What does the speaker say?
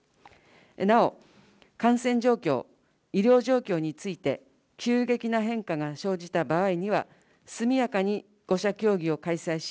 なお、感染状況、医療状況について、急激な変化が生じた場合には、速やかに５者協議を開催し、